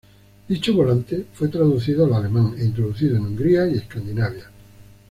Dicho volante fue traducido al alemán e introducido en Hungría y Escandinavia.